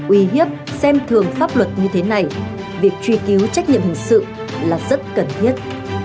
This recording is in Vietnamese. uy hiếp xem thường pháp luật như thế này việc truy cứu trách nhiệm hình sự là rất cần thiết